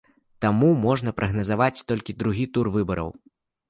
Таму можна прагназаваць толькі другі тур выбараў.